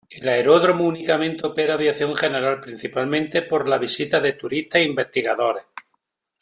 El aeródromo únicamente opera aviación general, principalmente por la visita de turistas e investigadores.